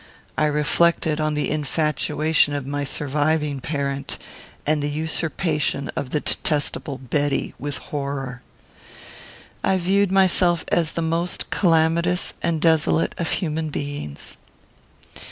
I reflected on the infatuation of my surviving parent, and the usurpation of the detestable Betty, with horror. I viewed myself as the most calamitous and desolate of human beings.